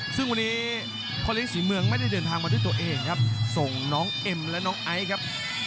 ซึ่งวันนี้พ่อเลี้ยศรีเมืองไม่ได้เดินทางมาด้วยตัวเองครับส่งน้องเอ็มและน้องไอซ์ครับ